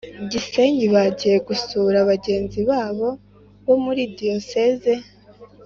gisenyi bagiye gusura bagenzi babo bo muri diyosezi